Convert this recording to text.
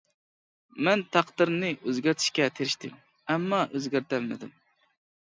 مەن تەقدىرنى ئۆزگەرتىشكە تىرىشتىم، ئەمما ئۆزگەرتەلمىدىم.